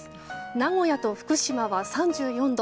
名古屋と福島は３４度。